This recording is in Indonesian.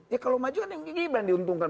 ya kalau maju kan mungkin gibran diuntungkan